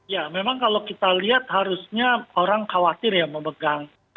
ya memang kalau kita lihat harusnya orang khawatir ya memegang